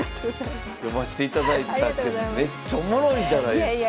読ましていただいたけどめっちゃおもろいじゃないですか。